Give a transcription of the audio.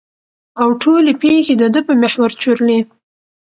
او ټولې پېښې د ده په محور چورلي.